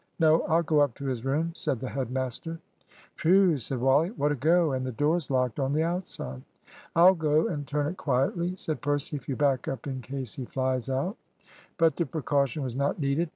"No, I'll go up to his room," said the head master. "Whew!" said Wally, "what a go! and the door's locked on the outside!" "I'll go and turn it quietly," said Percy, "if you back up in case he flies out." But the precaution was not needed.